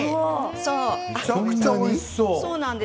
めちゃくちゃおいしそう。